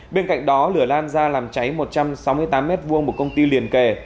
bên cạnh đó lửa lan ra làm cháy một trăm sáu mươi tám m hai một công ty liền kề